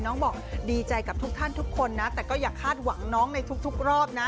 น้องบอกดีใจกับทุกท่านทุกคนนะแต่ก็อย่าคาดหวังน้องในทุกรอบนะ